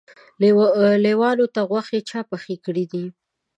لېوانو ته غوښې چا پخې کړي دي؟